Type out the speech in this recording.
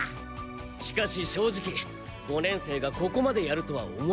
しかし正直五年生がここまでやるとは思わなかったな。